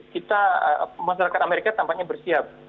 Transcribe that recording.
kita masyarakat amerika tampaknya bersiap